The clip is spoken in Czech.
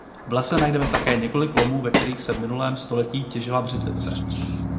V lese najdeme také několik lomů ve kterých se v minulém století těžila břidlice.